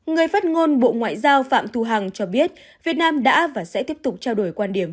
người phát ngôn bộ ngoại giao phạm thu hằng cho biết việt nam đã và sẽ tiếp tục trao đổi quan điểm